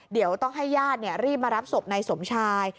เดี๋ยวต้องให้ญาติรีบมารับศพนายสมชาย